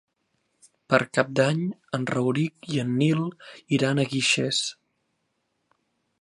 Per Cap d'Any en Rauric i en Nil iran a Guixers.